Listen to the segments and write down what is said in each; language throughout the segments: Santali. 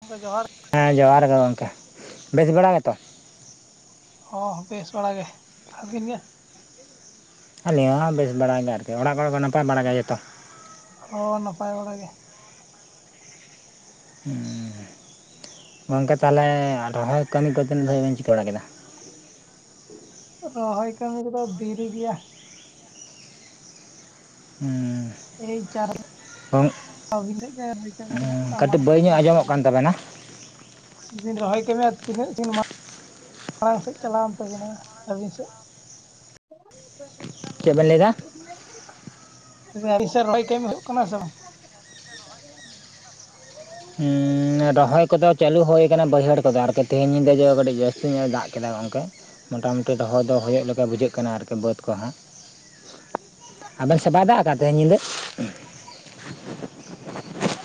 ᱜᱚᱝᱠᱮ ᱡᱚᱦᱟᱨ, ᱦᱮᱸ ᱡᱚᱦᱟᱨ ᱜᱮ ᱜᱚᱝᱠᱮ, ᱵᱮᱥ ᱵᱟᱲᱟ ᱜᱮᱛᱚ? ᱦᱚᱸ ᱵᱮᱥ ᱵᱟᱲᱟ ᱜᱮ, ᱟᱵᱤᱱ ᱜᱮ? ᱟᱞᱤᱧ ᱦᱚᱸ ᱵᱮᱥ ᱵᱟᱲᱟ ᱜᱮ ᱟᱨᱠᱤ, ᱚᱲᱟᱜ ᱠᱚᱨᱮ ᱠᱚ ᱱᱟᱯᱟᱭ ᱵᱟᱲᱟ ᱜᱮᱭᱟ ᱡᱚᱛᱚ? ᱦᱚᱸ ᱱᱟᱯᱟᱭ ᱵᱟᱲᱟ ᱜᱮ᱾ ᱩᱸᱻ᱾ᱜᱚᱝᱠᱮ ᱛᱟᱦᱚᱞᱮ ᱟ ᱨᱚᱦᱚᱭ ᱠᱟᱹᱢᱤ ᱠᱚ ᱛᱤᱱ ᱫᱷᱟᱨᱤᱡ ᱵᱤᱱ ᱪᱤᱠᱟᱹ ᱵᱟᱲᱟ ᱠᱮᱫᱟ? ᱨᱚᱦᱚᱭ ᱠᱟᱹᱢᱤ ᱠᱚᱫᱚ ᱫᱤᱨᱤ ᱜᱮᱭᱟ᱾ ᱦᱩᱸ᱾ ᱠᱟᱹᱴᱤᱡ ᱵᱟᱹᱭ ᱧᱚᱜ [inaudible] [inaudible] ᱵᱤᱱ ᱨᱚᱦᱚᱭ [inaudible] ᱛᱤᱱᱟᱹᱜ ᱤᱱᱢᱟᱜ [inaudible] ᱢᱟᱲᱟᱝ ᱥᱮᱫ ᱪᱟᱞᱟᱣ ᱮᱱ ᱛᱟᱹᱵᱤᱱᱟ ᱟᱹᱵᱤᱱ ᱥᱮᱫ, ᱪᱮᱫ ᱵᱮᱱ ᱞᱟᱹᱭᱫᱟ [unintelligible] ᱟᱰᱤᱱ ᱥᱮᱫ ᱨᱚᱦᱚᱭ ᱠᱟᱹᱢᱤ ᱦᱩᱭᱩᱜ ᱠᱟᱱᱟ ᱥᱮ ᱵᱟᱝ? ᱦᱩᱸ ᱨᱚᱦᱚᱭ ᱠᱚᱫᱚ ᱪᱟᱹᱞᱩ ᱦᱩᱭᱩ ᱟᱠᱟᱱᱟ ᱵᱟᱹᱭᱦᱟᱹᱲ ᱠᱚᱫᱚ ᱟᱨᱠᱤ ᱛᱮᱦᱮᱧ ᱧᱤᱫᱟᱹ ᱜᱮ ᱠᱟᱹᱴᱤᱡ ᱡᱟᱹᱥᱛᱤ ᱧᱚᱜ ᱮ ᱫᱟᱜ ᱠᱮᱫᱟ ᱜᱚᱝᱠᱮ ᱢᱳᱴᱟᱢᱩᱴᱤ ᱫᱚᱦᱚ ᱫᱚ ᱦᱩᱭᱩᱜ ᱞᱮᱠᱟ ᱵᱩᱡᱷᱟᱹᱜ ᱠᱟᱱᱟ ᱟᱨᱠᱤ ᱵᱟᱹᱫᱽ ᱠᱚᱦᱚᱸ, ᱟᱵᱮᱱ ᱥᱮᱫ ᱵᱟᱭ ᱫᱟᱜ ᱟᱠᱟᱫ-ᱟ ᱛᱮᱦᱮᱧ ᱧᱤᱫᱟᱹ? [unintelligible]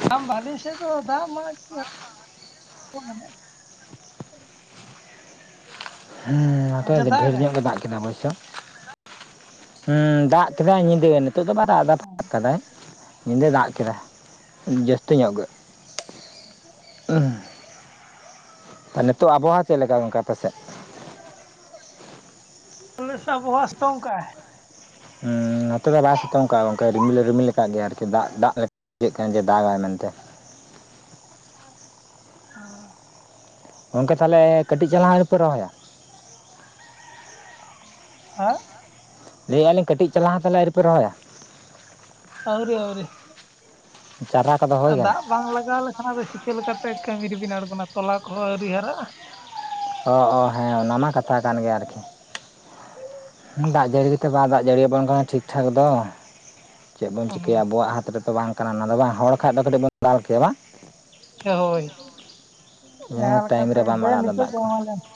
ᱵᱟᱝ ᱵᱟᱝ ᱟᱞᱤᱧ ᱥᱮᱫ ᱫᱚ ᱫᱟᱜ ᱢᱟᱜ ᱪᱮᱫ ᱦᱚ ᱵᱟᱱᱩᱜᱼᱟ᱾ ᱦᱮᱸ ᱟᱯᱮ ᱟᱪᱪᱷᱟ [inaudible] ᱰᱷᱮᱨ ᱫᱟᱜᱟᱭ ᱧᱚᱜ ᱜᱮ ᱫᱟᱜ ᱠᱮᱫᱟ ᱦᱚᱭ ᱥᱮ ᱦᱩᱸ ᱫᱟᱜ ᱠᱮᱫᱟᱭ ᱧᱤᱫᱟᱹ ᱱᱤᱛᱚᱜ ᱫᱚ ᱵᱟᱭ ᱫᱟᱜ ᱮᱫᱟ ᱯᱷᱟᱠ ᱠᱮᱫᱟᱭ ᱧᱤᱫᱟᱹ ᱫᱟᱜ ᱠᱮᱫᱟᱭ, ᱡᱟᱹᱥᱛᱤ ᱧᱚᱜ ᱜᱮ, [unintelligible] ᱱᱤᱛᱚᱜ ᱟᱵᱚᱦᱟᱣᱟ ᱪᱮᱫ ᱞᱮᱠᱟ ᱜᱚᱝᱠᱮ ᱟᱯᱮ ᱥᱮᱫ? [unintelligible] ᱱᱚᱛᱮ ᱫᱚ ᱵᱟᱭ ᱥᱤᱛᱩᱝ ᱠᱟᱜᱼᱟ ᱜᱚᱝᱠᱮ ᱨᱤᱢᱤᱞ ᱞᱮ ᱨᱤᱢᱤᱞ ᱟᱠᱟᱜ ᱜᱮᱭᱟ ᱟᱨᱠᱤ ᱫᱟᱜ ᱫᱟᱜ ᱵᱩᱡᱷᱟᱹᱜ ᱠᱟᱱ ᱜᱮᱭᱟ ᱫᱟᱜᱟᱭ ᱢᱮᱱᱛᱮ, ᱚ ᱜᱚᱝᱠᱮ ᱛᱟᱞᱦᱮ ᱠᱟᱹᱴᱤᱡ ᱪᱟᱞᱟᱝ ᱦᱚᱸ ᱟᱣᱨᱤ ᱯᱮ ᱨᱚᱦᱚᱭᱟ? [unintelligible] ᱞᱟᱹᱭᱮᱫ ᱟᱞᱤ ᱠᱟᱹᱴᱤᱡ ᱪᱟᱞᱟᱝ ᱦᱚᱸ ᱛᱟᱦᱚᱞᱮ ᱟᱣᱨᱤ ᱯᱮ ᱨᱚᱦᱚᱭᱟ? ᱟᱹᱣᱨᱤ ᱟᱹᱣᱨᱤ, ᱪᱟᱨᱟ ᱠᱚᱫᱚ ᱦᱩᱭ ᱠᱟᱱᱟ? ᱫᱟᱜ ᱵᱟᱝ ᱞᱟᱜᱟᱣ ᱞᱮᱠᱷᱟᱱ ᱟᱫᱚ ᱪᱤᱠᱟᱹ ᱞᱮᱠᱟᱛᱮ ᱠᱟᱹᱢᱤ ᱨᱮᱵᱤᱱ ᱟᱬᱜᱚᱱᱟ ᱛᱚᱞᱟ ᱠᱚᱦᱚᱸ ᱟᱹᱣᱨᱤ ᱦᱟᱨᱟᱜᱼᱟ ᱾ ᱚ ᱚ ᱦᱮᱸ ᱚᱱᱟ ᱢᱟ ᱠᱟᱛᱷᱟ ᱠᱟᱱ ᱜᱮᱭᱟ ᱟᱨᱠᱤ, ᱦᱩᱸ ᱫᱟᱜ ᱡᱟᱹᱲᱤ ᱜᱮᱛᱚ ᱵᱟᱭ ᱫᱟᱜ ᱡᱟᱹᱲᱤ ᱟᱵᱚᱱ ᱠᱟᱱᱟ ᱴᱷᱤᱠ ᱴᱷᱟᱠ ᱫᱚ᱾ ᱪᱮᱫ ᱵᱚᱱ ᱪᱤᱠᱟᱹᱭᱟ ᱟᱵᱚᱣᱟᱜ ᱦᱟᱛ ᱨᱮᱛᱚ ᱵᱟᱝ ᱠᱟᱱᱟ ᱚᱱᱟ ᱫᱚ ᱵᱟᱝ ᱦᱚᱲ ᱠᱷᱟᱡ ᱫᱚ ᱠᱟᱹᱴᱤᱜ ᱵᱚᱱ ᱫᱟᱞ ᱠᱮᱭᱟ ᱵᱟᱝ? ᱦᱳᱭ ᱦᱮᱸ ᱡᱟᱦᱟᱸ ᱴᱟᱭᱤᱢ ᱞᱮᱠᱟᱛᱮ ᱨᱮ ᱜᱮ ᱵᱟᱢ ᱫᱮ ᱟᱲᱟᱜ ᱮᱫᱟ ᱱᱤᱛᱚᱜ ᱫᱟᱜ ᱫᱚ ᱠᱚ ᱮᱢᱟᱞᱮᱢ ᱾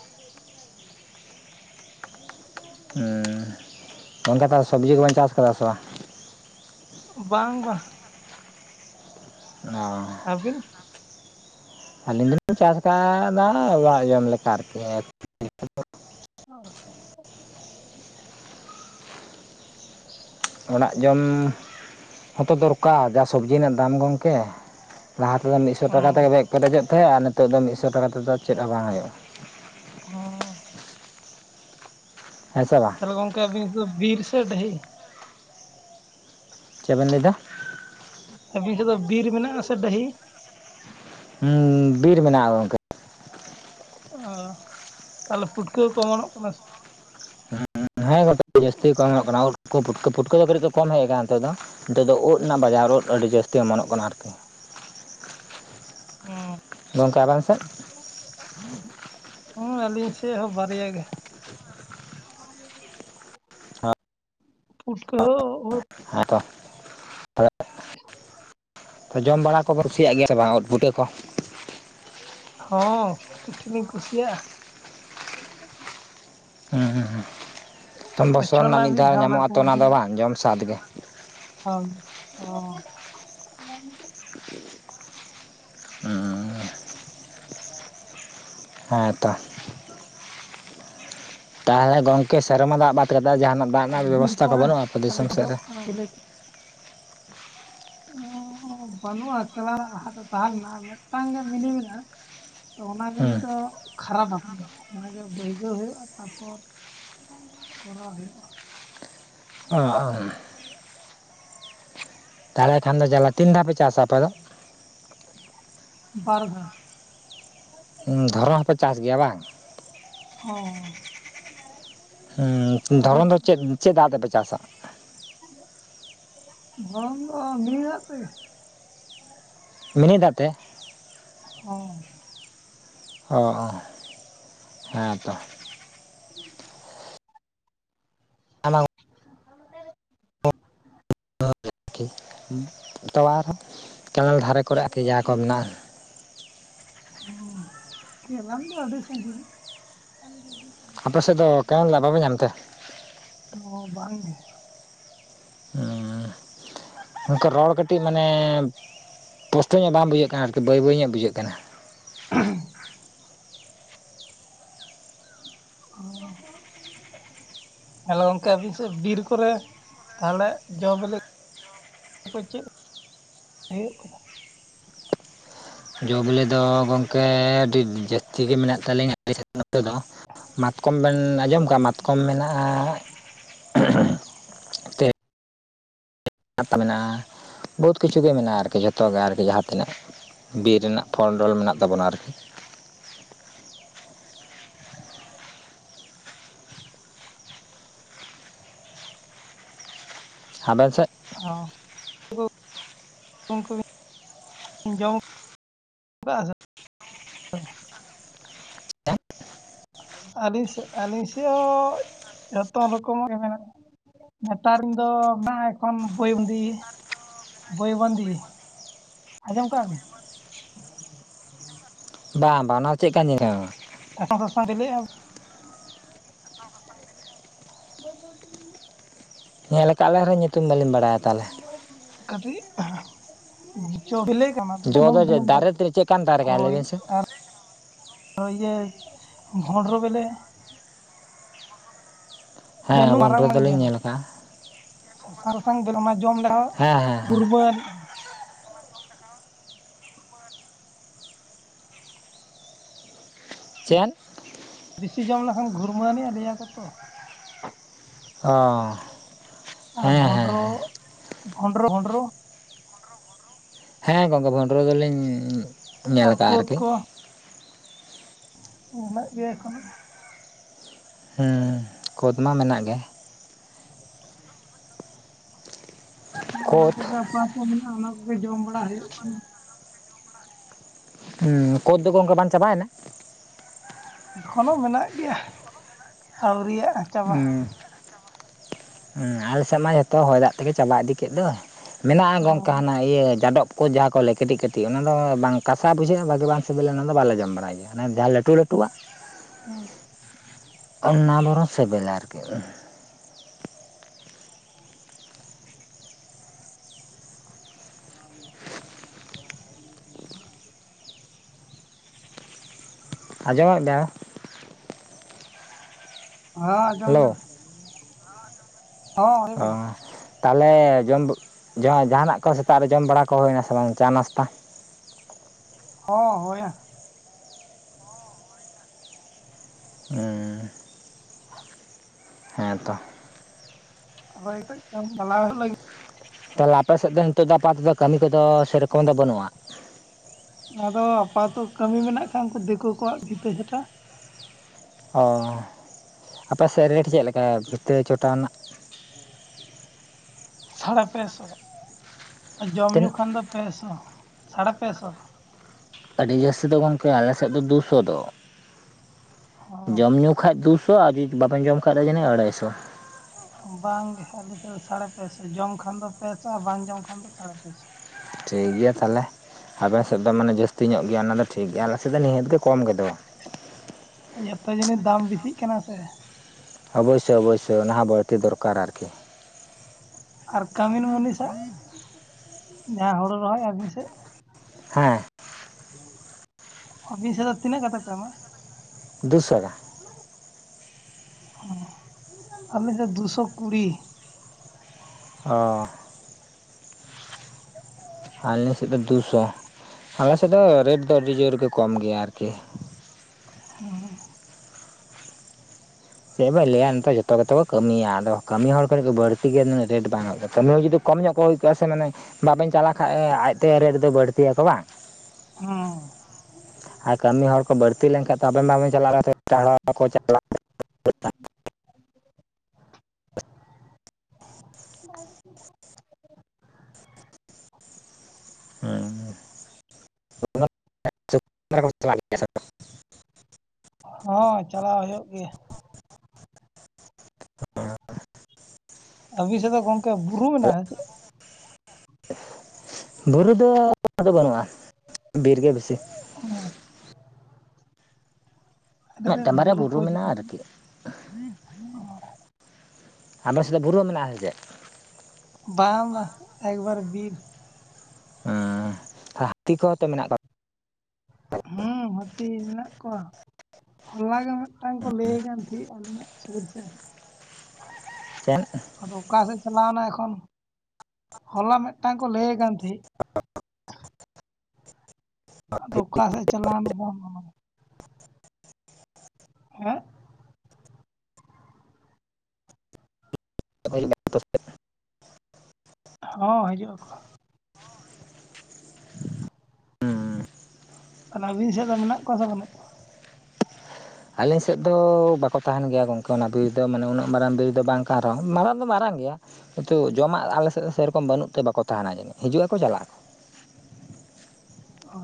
ᱮᱸᱻ ᱜᱚᱝᱠᱮ ᱛᱟᱦᱚᱞᱮ ᱥᱚᱵᱽᱡᱤ ᱠᱚᱵᱤᱱ ᱪᱟᱥ ᱠᱟᱫᱟ ᱥᱮ ᱵᱟᱝ? ᱵᱟᱝ ᱵᱟᱝ ᱾ ᱚᱸᱻ ᱟᱹᱵᱤᱱ ᱟᱹᱞᱤᱧ ᱫᱩᱞᱤᱧ ᱪᱟᱥ ᱠᱟᱜ-ᱟ ᱫᱟ ᱚᱲᱟᱜ ᱡᱚᱢ ᱞᱮᱠᱟ ᱟᱨᱠᱤ ᱾ [unintelligible] ᱚᱲᱟᱜ ᱡᱚᱢ ᱦᱚᱸᱛᱚ ᱫᱚᱨᱠᱟᱨ ᱡᱟ ᱥᱚᱵᱽᱡᱤ ᱨᱮᱱᱟᱜ ᱫᱟᱢ ᱜᱚᱝᱠᱮ, ᱞᱟᱦᱟ ᱛᱮᱫᱚ ᱢᱤᱫᱥᱚ ᱴᱟᱠᱟ ᱦᱩᱸ ᱛᱮᱜᱮ ᱵᱮᱜ ᱯᱮᱨᱮᱡᱚᱜ ᱛᱟᱦᱮᱸᱜ ᱟᱨ ᱱᱤᱛᱚᱜ ᱫᱚ ᱢᱤᱫᱥᱚ ᱴᱟᱠᱟ ᱛᱮᱫᱚ ᱪᱮᱫ ᱦᱚᱸ ᱵᱟᱝ ᱦᱩᱭᱩᱜᱼᱟ᱾ [unintelligible] ᱦᱮᱸ ᱥᱮ ᱵᱟᱝ ᱛᱟᱦᱚᱞᱮ ᱜᱚᱝᱠᱮ ᱟᱵᱤᱱ ᱥᱮᱫ ᱫᱚ ᱵᱤᱨ ᱥᱮ ᱰᱟᱹᱦᱤ? ᱪᱮᱜ ᱵᱮᱱ ᱞᱟᱹᱭᱫᱟ? ᱟᱹᱵᱤᱱ ᱥᱮᱫ ᱫᱚ ᱵᱤᱨ ᱢᱮᱱᱟᱜᱼᱟ ᱥᱮ ᱰᱟᱹᱦᱤ? ᱦᱩᱸ ᱵᱤᱨ ᱢᱮᱱᱟᱜᱼᱟ ᱜᱚᱝᱠᱮ᱾ ᱚ ᱛᱟᱦᱚᱞᱮ ᱯᱩᱴᱠᱟᱹ ᱠᱚᱠᱚ ᱚᱢᱚᱱᱚᱜ ᱠᱟᱱᱟ ᱥᱮ ᱵᱟᱝ? ᱦᱮᱸ ᱜᱚᱢᱠᱮ ᱡᱟᱹᱥᱛᱤ ᱜᱮᱠᱚ ᱚᱢᱚᱱᱚᱜ ᱠᱟᱱᱟ ᱳᱫ, ᱠᱩ ᱯᱩᱴᱠᱟᱹ - ᱯᱩᱩᱴᱠᱟᱹ ᱫᱚ ᱠᱟᱹᱴᱤᱡ ᱠᱚ ᱠᱚᱢ ᱦᱮᱡ ᱟᱠᱟᱱᱟ ᱱᱤᱛᱚᱜ ᱫᱚ, ᱱᱤᱛᱚᱜ ᱫᱚ ᱩᱫ ᱨᱮᱱᱟᱜ ᱵᱟᱡᱟᱨ ᱩᱫ ᱟᱹᱰᱤ ᱡᱟᱹᱥᱛᱤ ᱚᱢᱚᱱᱚᱜ ᱠᱟᱱᱟ ᱟᱨᱠᱤ᱾ [inaudible] ᱦᱩᱸ ᱜᱚᱝᱠᱮ ᱟᱵᱮᱱ ᱥᱮᱫ ᱦᱩᱸ ᱟᱹᱞᱤᱧ ᱥᱮᱜ ᱦᱚᱸ ᱵᱟᱨᱭᱟ ᱜᱮ ᱾ ᱯᱩᱴᱠᱟᱹ ᱩᱫᱽ ᱦᱮᱸ ᱛᱚ [inaudible] [inaudible] ᱡᱚᱢ ᱵᱟᱲᱟ ᱠᱚ ᱠᱩᱥᱤᱭᱟᱜ ᱜᱮᱭᱟ ᱥᱮ ᱵᱟᱝᱼᱟ ᱩᱫᱽ ᱯᱩᱴᱠᱟᱹ ᱠᱚ ᱾ ᱦᱚᱸ ᱠᱩᱴᱷᱤᱱᱤᱧ ᱠᱩᱥᱤᱭᱟᱜᱼᱟ ᱾ ᱦᱩᱸ, ᱦᱩᱸ, ᱦᱩᱸ ᱛᱚᱢ ᱫᱚᱥᱚᱱ ᱱᱟᱜ ᱢᱤᱫ ᱫᱷᱟᱣ ᱧᱟᱢᱚᱜᱼᱟ ᱛᱚ, ᱚᱱᱟ ᱫᱚ ᱵᱟᱝ ᱡᱚᱢ ᱥᱟᱫᱽ ᱜᱮ ᱾ [inaudible] [inaudible] [inaudible] ᱦᱮᱸ ᱛᱚ ᱾ ᱛᱟᱦᱚᱞᱮ ᱜᱚᱝᱠᱮ ᱥᱮᱨᱢᱟ ᱫᱟᱜ ᱵᱟᱫ ᱠᱟᱛᱮ, ᱡᱟᱦᱟᱱᱟᱜ ᱫᱟᱜ ᱟᱨ ᱨᱮᱱᱟᱜ ᱵᱤᱨ ᱵᱮᱵᱚᱥᱛᱷᱟ ᱠᱚ ᱠᱚᱨᱮ ᱵᱟᱹᱱᱩᱜᱼᱟ ᱟᱯᱮ ᱟᱞᱮ ᱫᱤᱥᱚᱢ ᱥᱮᱫ ᱨᱮ? [inaudible] ᱚᱸᱻ ᱵᱟᱹᱱᱩᱜᱼᱟ [inaudible] ᱞᱟᱦᱟᱛᱮ ᱛᱟᱦᱚᱴᱮ ᱞᱮᱱᱟ ᱢᱤᱫᱴᱟᱝ ᱜᱮ ᱢᱤᱱᱤ ᱢᱮᱱᱟᱜᱼᱟ ᱾ ᱛᱚ ᱚᱱᱟ ᱢᱤᱱᱤ ᱦᱮᱸ ᱫᱚ ᱠᱷᱟᱨᱟᱯ ᱟᱠᱟᱱᱟ, ᱚᱱᱟᱜᱮ ᱵᱟᱹᱭᱥᱟᱹᱣ ᱦᱩᱭᱩᱜᱼᱟ᱾ ᱛᱟᱨᱯᱚᱨ ᱠᱚᱨᱟᱣ ᱦᱩᱭᱩᱜᱼᱟ ᱾ [inaudible] [inaudible] ᱛᱟᱦᱚᱞᱮ ᱠᱷᱟᱱ ᱫᱚ ᱡᱟᱞᱟ ᱛᱤᱱ ᱫᱷᱟᱣ ᱯᱮ ᱪᱟᱥᱟ ᱟᱯᱮ ᱫᱚ? ᱵᱟᱨ ᱫᱷᱟᱣ ᱾ ᱫᱷᱚᱨᱚᱱ ᱦᱚᱸ ᱯᱮ ᱪᱟᱥ ᱜᱮᱭᱟ ᱵᱟᱝ? ᱦᱚᱸ ᱾ ᱦᱩᱸ ᱫᱷᱚᱨᱚᱱ ᱫᱚ ᱪᱮᱫ, ᱪᱮᱫ ᱫᱟᱜ ᱛᱮᱯᱮ ᱪᱟᱥᱟ? ᱫᱷᱚᱨᱚᱱ ᱫᱚ ᱢᱤᱱᱤ ᱫᱟᱜ ᱛᱮᱜᱮ ᱾ ᱢᱤᱱᱤ ᱫᱟᱜ ᱛᱮ? ᱦᱚᱸ ᱚ ᱦᱮᱸ ᱛᱚ ᱾ [inaudible] [inaudible] [inaudible] ᱟᱨᱠᱤ ᱛᱚᱣᱟ ᱟᱨᱦᱚᱸ ᱠᱮᱱᱮᱞ ᱫᱷᱟᱨᱮ ᱠᱚᱨᱮ ᱟᱨᱠᱤ ᱡᱟᱦᱟᱸ ᱠᱚ ᱢᱮᱱᱟᱜᱼᱟ ᱾ ᱦᱩᱸ ᱠᱮᱱᱮᱞ ᱫᱚ ᱟᱹᱰᱤ ᱥᱟᱺᱜᱤᱧ ᱾ ᱟᱯᱮ ᱥᱮᱫ ᱫᱚ ᱠᱮᱱᱮᱞ ᱫᱟᱜ ᱵᱟᱯᱮ ᱧᱟᱢ ᱛᱮ? ᱚ ᱵᱟᱝ ᱜᱮ ᱾ ᱜᱚᱝᱠᱮ ᱨᱚᱲ ᱠᱟᱹᱴᱤᱡ ᱢᱟᱱᱮ ᱯᱥᱴᱚ ᱧᱚᱜ ᱵᱟᱝ ᱵᱩᱡᱷᱟᱹᱜ ᱠᱟᱱᱟ ᱟᱨᱠᱤ, ᱵᱟᱹᱭ ᱵᱟᱹᱭ ᱧᱚᱜ ᱵᱩᱡᱷᱟᱹᱜ ᱠᱟᱱᱟ ᱾ [inaudible] [inaudible] ᱦᱮᱞᱳ ᱜᱚᱝᱠᱮ ᱟᱹᱵᱤᱱ ᱥᱮᱫ ᱵᱤᱨ ᱠᱚᱨᱮ ᱛᱟᱦᱚᱞᱮ ᱡᱚ ᱵᱤᱞᱤ ᱪᱮᱫ ᱦᱩᱭᱩᱜ ᱠᱟᱱᱟ? ᱡᱚ ᱵᱤᱞᱮ ᱫᱚ ᱜᱚᱢᱠᱮ ᱟᱹᱰᱤ ᱡᱟᱹᱥᱛᱤ ᱜᱮ ᱢᱮᱱᱟᱜ ᱛᱟᱹᱞᱤᱧᱟ ᱾ ᱱᱚᱛᱮ ᱫᱚ ᱢᱟᱛᱠᱚᱢ ᱵᱮᱱ ᱟᱸᱡᱚᱢ ᱠᱟᱜᱼᱟ ᱢᱟᱛᱠᱚᱢ ᱢᱮᱱᱟᱜᱼᱟ ᱾ ᱢᱮᱱᱟᱜᱼᱟ ᱵᱚᱦᱩᱛ ᱠᱤᱪᱷᱩ ᱜᱮ ᱢᱮᱱᱟᱜᱼᱟ, ᱟᱨᱠᱤ ᱡᱚᱛᱚ ᱜᱮ ᱟᱨᱠᱤ ᱡᱟᱦᱟᱸ ᱛᱤᱱᱟᱹᱜ ᱾ ᱵᱤᱨ ᱨᱮᱱᱟᱜ ᱯᱷᱳᱞᱰᱚᱞ ᱢᱮᱱᱟᱜ ᱛᱟᱵᱚᱱᱟ ᱟᱨᱠᱤ ᱾ [inaudible] ᱥᱟᱵᱮ ᱥᱮᱜ ᱚᱸ [inaudible] ᱡᱚᱢ [inaudible] ᱟᱞᱤᱧ ᱥᱮᱜ, ᱟᱞᱤᱧ ᱥᱮ ᱚᱸ ᱡᱚᱛᱚ ᱨᱚᱠᱚᱢᱟᱜ ᱜᱮ ᱢᱮᱱᱟᱜ ᱱᱮᱛᱟᱨᱱ ᱫᱚ ᱱᱟᱜᱼᱟ ᱮᱠᱷᱚᱱ ᱵᱳᱭ ᱩᱸᱫᱤ, ᱵᱳᱭ ᱵᱟᱸᱫᱤ ᱦᱟᱡᱚᱢ ᱠᱟᱜᱼᱟ ᱵᱤᱱ? ᱵᱟᱸ-ᱵᱟᱸ ᱱᱟ ᱪᱮᱜ ᱠᱟ ᱧᱮᱦᱚ? ᱥᱟᱥᱟᱝ-ᱥᱟᱥᱟᱝ ᱰᱮᱞᱤᱭᱟ [inaudible] ᱧᱮᱞ ᱠᱟᱜ ᱞᱮ ᱨᱮᱦᱚᱸ ᱧᱩᱛᱩᱢ ᱵᱟᱹᱞᱤᱧ ᱵᱟᱲᱟᱭᱟ ᱛᱟᱦᱞᱮ᱾ ᱠᱟᱴᱤᱜ ᱡᱚ ᱫᱚ ᱫᱟᱨᱮ ᱛᱮ ᱪᱮᱫᱠᱟᱱ ᱫᱟᱨᱮ [inaudible] ᱠᱟᱱᱟ ᱞᱟᱹᱭ ᱦᱳᱭ ᱵᱮᱱ ᱥᱮ ᱟᱨ ᱚ ᱤᱭᱟᱹ ᱵᱷᱳᱸᱰᱨᱳ ᱵᱮᱞᱮ ᱦᱮᱸ, ᱡᱟᱹᱱᱩᱢ ᱵᱳᱸᱰᱨᱳ ᱫᱚ ᱞᱤᱧ ᱧᱮᱞ ᱠᱟᱜᱼᱟ᱾ ᱥᱟᱥᱟᱝ-ᱥᱟᱥᱟᱝ ᱵᱮᱞᱢᱟ ᱡᱚᱢ ᱞᱮᱦᱚᱸ ᱦᱮᱸ ᱦᱮᱸ ᱦᱮᱸ ᱜᱩᱨᱢᱟᱹᱱ ᱪᱮᱫ? ᱵᱤᱥᱤ ᱡᱚᱢ ᱞᱮᱠᱷᱟᱱ ᱜᱷᱩᱨᱢᱟᱹᱱᱤᱜᱼᱟ ᱞᱟᱹᱭᱟ ᱠᱚᱛᱚ᱾ ᱚ ᱟᱨ ᱦᱮᱸ ᱦᱮᱸ ᱵᱷᱳᱸᱰᱨᱳᱜ, ᱵᱷᱳᱰᱨᱳ-ᱵᱷᱳᱰᱨᱳ᱾ ᱦᱮᱸ ᱜᱚᱝᱜᱚ, ᱵᱳᱸᱰᱨᱳ ᱫᱚᱞᱤᱧ ᱧᱮᱞ ᱟᱨ ᱟᱠᱟᱜᱼᱟ ᱠᱩᱳᱫᱽ ᱟᱨᱠᱤ ᱠᱚ? ᱩᱱᱟᱹᱜ ᱜᱮ ᱮᱠᱷᱚᱱᱚ᱾ ᱦᱩᱸ ᱠᱳᱫᱽᱢᱟ ᱢᱮᱱᱟᱜ ᱜᱮ᱾ ᱦᱚᱱᱟ ᱠᱳᱫᱽ ᱠᱚᱜᱮ ᱟᱯᱟᱯᱚ ᱢᱮᱱᱟᱜᱼᱟ, ᱚᱱᱟ ᱠᱚᱜᱮ ᱡᱚᱢ ᱵᱟᱲᱟ ᱦᱩᱭᱩᱜ ᱠᱟᱱᱟ᱾ ᱦᱩᱸ ᱠᱳᱫᱽ ᱫᱚ ᱜᱚᱝᱠᱮ ᱵᱟᱝ ᱪᱟᱵᱟᱭᱮᱱᱟ? ᱮᱠᱷᱚᱱᱳ ᱢᱮᱱᱟᱜ ᱜᱮᱭᱟᱦ ᱟᱣᱨᱤᱭᱟᱜᱼᱟ ᱪᱟᱵᱟᱦ᱾ ᱩᱸ ᱟᱞᱮᱥᱮᱜ ᱢᱟ ᱡᱚᱛᱚ ᱦᱚᱭ ᱫᱟᱜ ᱛᱮᱜᱮ ᱪᱟᱵᱟ ᱤᱫᱤ ᱠᱮᱫ ᱫᱚᱭ! ᱢᱮᱱᱟᱜᱼᱟ ᱜᱚᱝᱠᱮ ᱦᱚᱸ ᱦᱟᱱᱟ ᱤᱭᱟᱹ ᱡᱟᱰᱚᱵ ᱠᱚ ᱡᱟᱦᱟ ᱠᱚ ᱞᱟᱹᱭ ᱠᱟᱹᱴᱤᱜ-ᱠᱟᱹᱴᱤᱜ ᱚᱱᱟ ᱫᱚ ᱵᱟᱝ ᱠᱟᱥᱟ ᱵᱩᱡᱷᱟᱹᱜᱼᱟ, ᱵᱟᱜᱤ ᱵᱟᱝ ᱥᱤᱵᱤᱞᱟ ᱚᱱᱟ ᱫᱚ, ᱵᱟᱞᱮ ᱡᱚᱢ ᱵᱟᱲᱟᱭ ᱜᱮᱭᱟ ᱦᱟᱱᱮ ᱡᱟ ᱞᱮ ᱴᱩ-ᱞᱟᱹᱴᱩᱣᱟᱜ᱾ ᱚᱸ᱾ ᱚᱱᱱᱟ ᱵᱚᱨᱚ ᱥᱤᱵᱤᱞᱟᱨᱠᱤ᱾ [inaudible] [inaudible] ᱟᱸᱡᱚᱢᱮᱫ ᱵᱮᱭ ᱦᱟᱸ ᱟᱸᱡᱚᱢ ᱦᱮᱞᱳ ᱫᱟᱞᱤᱧ᱾ ᱚᱸᱻ ᱛᱟᱞᱦᱮ ᱡᱚᱢ, ᱡᱚ ᱡᱟᱦᱟᱱᱟᱜ ᱠᱚ ᱥᱮᱛᱟᱜ ᱨᱮ ᱡᱚᱢ ᱵᱟᱲᱟ ᱠᱚ ᱦᱩᱭᱮᱱᱟ ᱥᱮ ᱵᱟᱝ ᱪᱟ ᱱᱟᱥᱛᱟ? ᱦᱚᱸ ᱦᱳᱭᱟ᱾ ᱦᱩᱸ᱾ ᱦᱮᱸ ᱛᱚ ᱦᱳᱭ ᱠᱟᱹᱡ ᱠᱟᱢᱤ ᱪᱟᱞᱟᱣ ᱦᱩᱭᱩᱜ ᱞᱟᱜᱤᱫ᱾ ᱛᱟᱦᱚᱞᱮ ᱟᱯᱮ ᱥᱮᱫ ᱫᱚ ᱱᱤᱛᱚᱜ ᱫᱚ ᱟᱯᱟᱛᱚᱛᱚ ᱠᱟᱹᱢᱤ ᱠᱚᱫᱚ ᱥᱮᱨᱚᱠᱚᱢ ᱫᱚ ᱵᱟᱹᱱᱩᱜᱼᱟ᱾ ᱟᱫᱚ ᱟᱯᱟᱛᱚᱛᱚ ᱠᱟᱹᱢᱤ ᱢᱮᱱᱟᱜ ᱠᱷᱟᱱ ᱩᱱᱠᱩ ᱫᱮᱠᱳ ᱠᱚᱣᱟᱜ ᱤᱛᱟᱹ ᱡᱷᱟᱴᱟ᱾ ᱚ ᱟᱯᱮ ᱥᱮᱫ ᱨᱮᱴ ᱪᱮᱫ ᱞᱮᱠᱟ ᱵᱷᱤᱛᱟᱹ ᱪᱚᱴᱟ ᱣᱟᱱᱟᱜ ᱥᱟᱲᱮ ᱯᱮ ᱥᱚ, ᱟᱨ ᱡᱚᱢ ᱛᱤᱱᱟᱹᱜ? ᱧᱩᱩ ᱠᱷᱟᱱ ᱫᱚ ᱯᱮ ᱥᱚ ᱥᱟᱲᱮ ᱯᱮ ᱥᱚ ᱟᱹᱰᱤ ᱡᱟᱹᱥᱛᱤ ᱫᱚ ᱜᱚᱝᱠᱮ ᱟᱞᱮ ᱥᱮᱫ ᱫᱚ ᱫᱩ ᱥᱚ ᱫᱚ ᱡᱚᱢ ᱦᱚᱸ ᱧᱩ ᱠᱷᱟᱡ ᱫᱩᱥᱚ ᱟᱨ ᱡᱩᱫᱤ ᱵᱟᱵᱮᱱ ᱡᱚᱢ ᱠᱷᱟᱡ ᱫᱚ ᱡᱟᱹᱱᱤᱡ ᱟᱲᱟᱭᱥᱚ᱾ ᱵᱟᱝᱜᱮ ᱟᱞᱮ ᱥᱮᱫ ᱫᱚ ᱥᱟᱲᱮ ᱯᱮ ᱥᱚ ᱡᱚᱢ ᱠᱷᱟᱱ ᱫᱚ ᱯᱮ ᱥᱚ ᱟᱨ ᱵᱟᱝ ᱡᱚᱢ ᱠᱷᱟᱱ ᱫᱚ ᱥᱟᱲᱮ ᱯᱮ ᱥᱚ ᱴᱷᱤᱠ ᱜᱮᱭᱟ ᱛᱟᱦᱚᱞᱮ᱾ ᱟᱵᱮᱱ ᱥᱮᱫ ᱫᱚ ᱢᱟᱱᱮ ᱡᱟᱹᱥᱛᱤ ᱧᱚᱜ ᱜᱮᱭᱟ ᱚᱱᱟ ᱫᱚ ᱴᱷᱤᱠ ᱜᱮᱭᱟ ᱟᱞᱮ ᱥᱮᱫ ᱫᱚ ᱱᱤᱦᱟᱹᱛ ᱜᱮ ᱠᱚᱢ ᱜᱮᱫᱚ ᱡᱷᱚᱛᱚ ᱡᱤᱱᱤᱥ ᱫᱟᱢ ᱵᱮᱥᱤᱜ ᱠᱟᱱᱟ ᱥᱮᱼᱼ ᱚᱵᱚᱥᱥᱳᱭ ᱚᱵᱚᱥᱥᱳᱭ, ᱚᱱᱟ ᱦᱚᱸ ᱵᱟᱹᱲᱛᱤ ᱫᱚᱨᱠᱟᱨ ᱟᱨᱠᱤ᱾ ᱟᱨ ᱠᱟᱹᱢᱤᱱ ᱢᱩᱱᱤᱥᱟᱜ ᱡᱟᱦᱟᱸ ᱦᱩᱲᱩ ᱨᱚᱦᱚᱭ ᱟᱹᱵᱤᱱ ᱥᱮᱫ ᱦᱮᱸ ᱟᱹᱵᱤᱱ ᱥᱮᱫ ᱫᱚ ᱛᱤᱱᱟᱹᱜ ᱠᱟᱛᱮᱫ ᱯᱮ ᱮᱢᱟ? [inaudible] ᱦᱚᱸ ᱟᱞᱮ ᱫᱚ ᱫᱩᱥᱚ ᱠᱩᱲᱤ ᱚ ᱟᱞᱮ ᱥᱮᱫ ᱫᱚ ᱫᱩᱥᱚ, ᱟᱞᱮ ᱥᱮᱫ ᱫᱚ ᱨᱮᱴ ᱫᱚ ᱟᱹᱰᱤ ᱡᱳᱨ ᱜᱮ ᱠᱚᱢ ᱜᱮᱭᱟ ᱟᱨᱠᱤ᱾ ᱦᱩᱸ᱾ ᱪᱮᱫ ᱵᱟᱭ ᱞᱟᱹᱭᱟ ᱱᱤᱛᱚᱜ ᱡᱚᱛᱚ ᱠᱟᱛᱮ ᱠᱚ ᱠᱟᱹᱢᱤᱭᱟ, ᱟᱫᱚ ᱠᱟᱹᱢᱤ ᱦᱚᱲ ᱠᱷᱚᱱ ᱫᱚ ᱵᱟᱹᱲᱛᱤ ᱜᱮ ᱱᱩᱱᱟᱹᱜ ᱨᱮᱴ ᱵᱟᱝ ᱠᱟᱹᱢᱤ ᱦᱚᱲ ᱡᱩᱫᱤ ᱠᱚᱢ ᱧᱚᱜ ᱠᱚ ᱦᱩᱭ ᱠᱚᱜᱼᱟ ᱥᱮ ᱢᱟᱱᱮ ᱵᱟᱵᱮᱱ ᱪᱟᱞᱟᱜ ᱠᱷᱟᱡ ᱟᱡ ᱛᱮ ᱨᱮᱴ ᱫᱚ ᱵᱟᱹᱲᱛᱤᱭᱟᱠᱚ ᱵᱟᱝ? ᱦᱮᱸ᱾ ᱟᱨ ᱠᱟᱹᱢᱤ ᱦᱚᱲ ᱠᱚ ᱵᱟᱹᱲᱛᱤ ᱞᱮᱱᱠᱷᱟᱱ ᱛᱚ ᱟᱵᱮᱱ ᱢᱟᱵᱮᱱ ᱪᱟᱞᱟᱣ ᱮᱴᱟᱜ ᱦᱚᱲᱟᱜ ᱠᱚ ᱪᱟᱞᱟᱜ-ᱟ᱾ ᱦᱮᱸ ᱦᱮ ᱸ [inaudible] ᱦᱚᱸ ᱪᱟᱞᱟᱣ ᱦᱳᱭᱳᱜ ᱜᱮᱭᱟ᱾ ᱟᱹᱵᱤᱱ ᱥᱮᱫ ᱫᱚ ᱜᱚᱝᱠᱮ ᱵᱩᱨᱩ ᱢᱮᱱᱟᱜ-ᱟ ᱪᱮᱫ? ᱵᱩᱨᱩ ᱫᱚ [inaudible] ᱫᱚ ᱵᱟᱹᱱᱩᱜᱼᱟ ᱵᱤᱨ ᱜᱮ ᱵᱤᱥᱤ᱾ ᱦᱚᱸ ᱟᱞᱮ ᱫᱚ ᱢᱤᱫᱴᱟᱝ ᱵᱟᱨᱭᱟ ᱵᱩᱨᱩ ᱠᱚ ᱡᱩᱫᱤ ᱢᱮᱱᱟᱜᱼᱟ [inaudible] ᱟᱨᱠᱤ ᱟᱯᱮ ᱥᱮᱫ ᱫᱚ ᱵᱩᱨᱩ ᱢᱮᱱᱟᱜ-ᱟ ᱥᱮ ᱪᱮᱫ? ᱵᱟᱝ ᱵᱟᱝ ᱮᱠᱵᱟᱨᱮ ᱵᱤᱨ ᱦᱮᱸ ᱦᱟᱹᱛᱤ ᱠᱚᱦᱚᱸ ᱛᱚ ᱢᱮᱱᱟᱜ ᱠᱚᱭᱟ? ᱦᱩᱸ ᱦᱟᱹᱛᱤ ᱢᱮᱱᱟᱜ ᱠᱚᱣᱟ ᱦᱚᱞᱟ ᱜᱮ ᱢᱤᱫᱴᱟᱝ ᱠᱚ ᱞᱟᱹᱭ ᱠᱟᱱ ᱛᱟᱦᱮᱸᱫ᱾ [unintelligible] ᱪᱮᱫ? ᱟᱫᱚ ᱚᱠᱟ ᱥᱮᱫ ᱪᱟᱞᱟᱣ ᱮᱱᱟᱭ ᱮᱠᱷᱚᱱ ᱦᱚᱞᱟ ᱢᱤᱫᱴᱟᱝ ᱠᱚ ᱞᱟᱹᱭᱮ ᱠᱟᱱ ᱛᱟᱦᱮᱸᱫ᱾ ᱟᱫᱚ ᱚᱠᱟ ᱥᱮᱫ ᱪᱟᱞᱟᱣᱮᱱᱟ [inaudible] ᱦᱮᱸ? [inaudible] ᱦᱚᱸ ᱦᱤᱡᱩᱜ ᱟᱠᱚ᱾ [inaudible] ᱛᱟᱦᱚᱞᱮ ᱟᱹᱵᱤᱱ ᱥᱮᱫ ᱫᱚ ᱢᱮᱱᱟᱜ ᱠᱚᱣᱟ ᱥᱮ ᱵᱟᱹᱱᱩᱜ ᱠᱚᱣᱟ? ᱟᱞᱤᱧ ᱥᱮᱫ ᱫᱚ ᱵᱟᱠᱚ ᱛᱟᱦᱮᱱ ᱜᱮᱭᱟ ᱜᱚᱝᱠᱮ᱾ ᱚᱱᱟ ᱵᱤᱨ ᱫᱮ ᱢᱟᱱᱮ ᱩᱱᱟᱹᱜ ᱢᱟᱨᱟᱝ ᱵᱤᱨ ᱫᱚ ᱵᱟᱝ ᱠᱟᱱ ᱨᱮᱦᱚᱸ ᱢᱟᱨᱟᱝ ᱫᱚ ᱢᱟᱨᱟᱝ ᱜᱮᱭᱟ᱾ ᱠᱤᱛᱩ ᱡᱚᱢᱟᱜ ᱟᱞᱮᱥᱮᱫ ᱥᱮᱨᱚᱠᱚᱢ ᱵᱟᱹᱱᱩᱜ ᱛᱮ ᱵᱟᱠᱚ ᱛᱟᱦᱮᱱᱟ ᱡᱟᱹᱱᱤᱡ, ᱦᱤᱡᱩᱜ ᱟᱠᱚ ᱪᱟᱞᱟᱜ ᱟᱠᱚ᱾ ᱚ᱾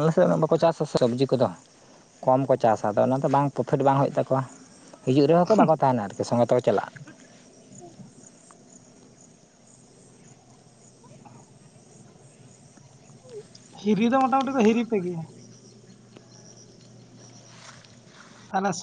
ᱟᱞᱮ ᱥᱮᱫ ᱩᱱᱟᱹᱜ ᱵᱟᱠᱚ ᱪᱟᱥᱟᱥᱮ ᱥᱚᱵᱽᱡᱤ ᱠᱚᱫᱚ᱾ ᱠᱚᱢ ᱠᱚ ᱪᱟᱥᱟ ᱟᱫᱚ ᱚᱱᱟᱫᱚ ᱵᱟᱝ ᱯᱚᱯᱷᱤᱴ ᱵᱟᱝ ᱦᱩᱭᱩᱜ ᱛᱟᱠᱚᱣᱟ᱾ ᱦᱤᱡᱩᱜ ᱨᱮᱦᱚᱸ ᱠᱚ ᱵᱟᱠᱚ ᱛᱟᱦᱮᱱᱟ ᱟᱨᱠᱤ ᱥᱚᱸᱜᱮ ᱛᱮᱠᱚ ᱪᱟᱞᱟᱜᱼᱟ᱾ [inaudible] ᱦᱤᱨᱤ ᱫᱚ ᱢᱳᱴᱟ-ᱢᱩᱴᱤ ᱠᱚ ᱦᱤᱨᱤ ᱯᱮ ᱜᱮᱭᱟ! ᱟᱞᱮᱥᱮ